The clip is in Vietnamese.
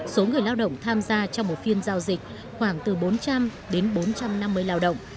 số người lao động tham gia trong một phiên giao dịch khoảng từ bốn trăm linh đến bốn trăm năm mươi lao động